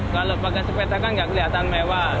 kalau pakai sepeda kan nggak kelihatan mewah